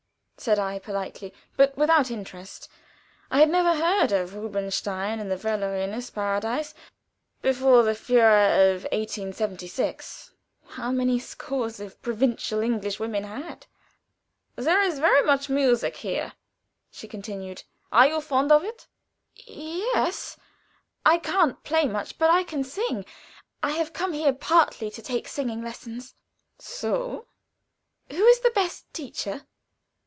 said I, politely, but without interest. I had never heard of Rubinstein and the "Verlorenes Paradies." Before the furor of 1876, how many scores of provincial English had? "There is very much music here," she continued. "Are you fond of it?" "Ye es. I can't play much, but I can sing. I have come here partly to take singing lessons." "So!" "Who is the best teacher?"